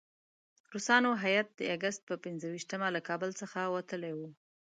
روسانو هیات د اګست پر پنځه ویشتمه له کابل څخه وتلی وو.